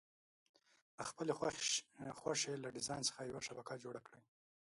د خپلې خوښې له ډیزاین څخه یوه شبکه جوړه کړئ.